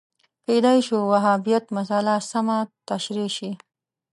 کېدای شو وهابیت مسأله سمه تشریح شي